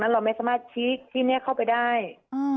นั้นเราไม่สามารถทีที่เนี้ยเข้าไปได้อืม